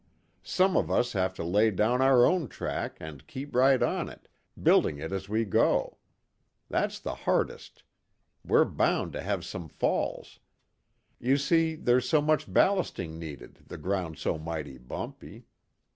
Some of us have to lay down our own track, and keep right on it, building it as we go. That's the hardest. We're bound to have some falls. You see there's so much ballasting needed, the ground's so mighty bumpy.